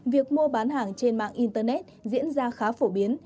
việc mua bán hàng trên mạng internet diễn ra khá phổ biến